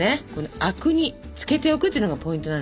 灰汁につけておくっていうのがポイントなんですよ。